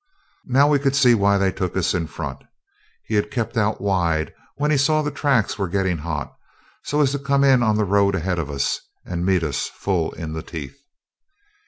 Now we could see why they took us in front. He had kept out wide when he saw the tracks were getting hot, so as to come in on the road ahead of us, and meet us full in the teeth.